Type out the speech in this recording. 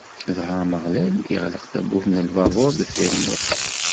Dɣa Ameɣlal iɣleq tabburt n lbabuṛ deffir n Nuḥ.